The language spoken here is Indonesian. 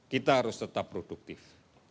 kita harus tetap produktif